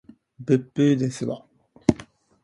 ぶっぶーですわ